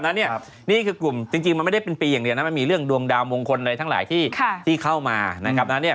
นั้นเนี่ยนี่คือกลุ่มจริงมันไม่ได้เป็นปีอย่างเดียวนะมันมีเรื่องดวงดาวมงคลอะไรทั้งหลายที่ที่เข้ามานะครับดังนั้นเนี่ย